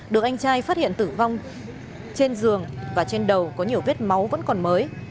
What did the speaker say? được anh trai phát hiện tử vong trên giường và trên đầu có nhiều vết máu vẫn còn mới